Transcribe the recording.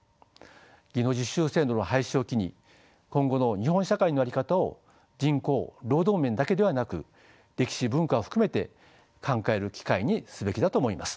技能実習制度の廃止を機に今後の日本社会の在り方を人口労働面だけではなく歴史文化を含めて考える機会にすべきだと思います。